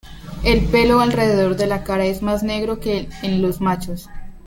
El pelo alrededor de la cara es más negro que en los machos.